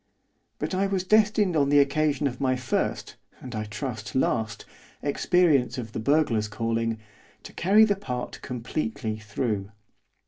But I was destined on the occasion of my first and, I trust, last experience of the burglar's calling, to carry the part completely through.